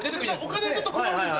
お金はちょっと困るんです